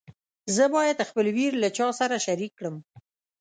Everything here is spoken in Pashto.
زه باید خپل ویر له چا سره شریک کړم.